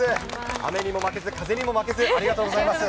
雨にも負けず、風にも負けず、ありがとうございます。